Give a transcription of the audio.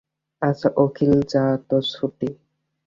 আচ্ছা, অখিল যা তোর ছুটি।